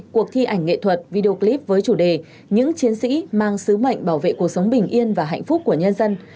cuộc thi ảnh nghệ thuật video clip với chủ đề những chiến sĩ mang sứ mệnh bảo vệ cuộc sống bình yên và hạnh phúc của nhân dân